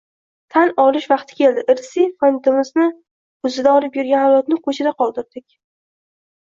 Tan olish vaqti keldi – irsiy fondimizni o‘zida olib yurgan avlodni ko‘chada qoldirdik.